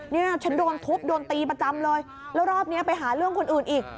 เนี่ยฉันโดนทุบโดนตีประจำเลยแล้วรอบนี้ไปหาเรื่องคนอื่นอีก